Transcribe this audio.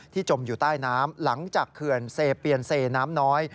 จมอยู่ใต้น้ำหลังจากเขื่อนเซเปียนเซน้ำน้อย